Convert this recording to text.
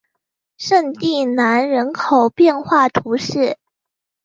圣蒂兰人口变化图示